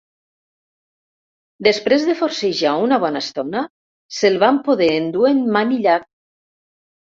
Després de forcejar una bona estona, se'l van poder endur emmanillat.